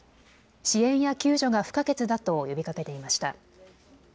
支援や救助が不可欠だと呼びかけていました。